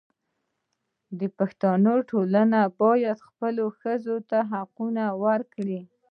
پښتني ټولنه باید خپلو ښځو ته حقونه ورکړي.